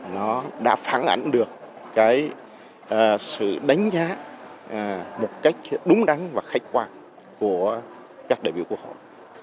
nó đã phản ảnh được cái sự đánh giá một cách đúng đắn và khách quan của các đại biểu quốc hội